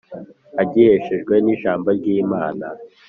agiheshejwe n’ijambo ry’Imana